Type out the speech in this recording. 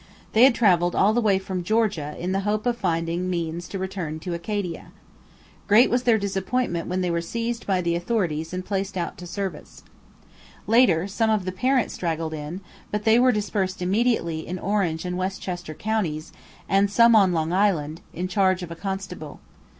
They had travelled all the way from Georgia in the hope of finding means to return to Acadia. Great was their disappointment when they were seized by the authorities and placed out to service. Later some of the parents straggled in, but they were dispersed immediately in Orange and Westchester counties, and some on Long Island, in charge of a constable.